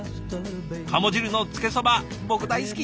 カモ汁のつけそば僕大好き。